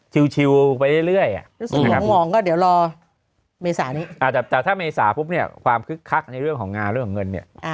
ชิลไปเรื่อยถ้ามองก็เดี๋ยวรอเมษานี้แต่ถ้าเมษาปุ๊บเนี่ยความคึกคักในเรื่องของงานเรื่องของเงินเนี่ย